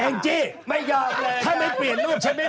องจิไม่ยอบเลย